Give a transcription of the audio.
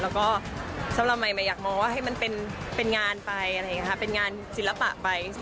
เราก็เพราะหมายมัยอยากมองให้มันเป็นงานไปเป็นงานศิลปะไป